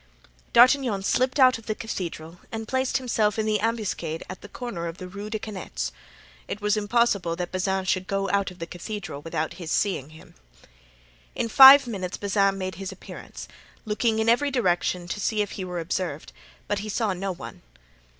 D'Artagnan slipped out of the cathedral and placed himself in ambuscade at the corner of the Rue des Canettes; it was impossible that Bazin should go out of the cathedral without his seeing him. In five minutes Bazin made his appearance, looking in every direction to see if he were observed, but he saw no one.